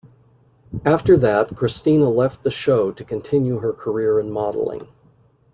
After that, Christina left the show to continue her career in modeling.